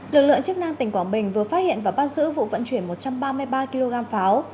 lực lượng chức năng tỉnh quảng bình vừa phát hiện và bắt giữ vụ vận chuyển một trăm ba mươi ba kg pháo